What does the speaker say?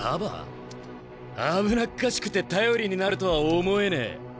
危なっかしくて頼りになるとは思えねえ。